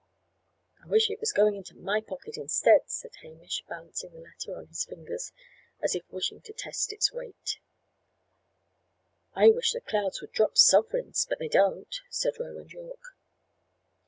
"I wish it was going into my pocket instead," said Hamish, balancing the letter on his fingers, as if wishing to test its weight. "I wish the clouds would drop sovereigns! But they don't," said Roland Yorke.